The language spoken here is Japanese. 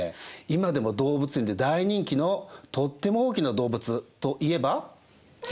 今でも動物園で大人気のとっても大きな動物といえば？